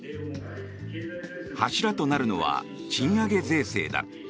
柱となるのは賃上げ税制だ。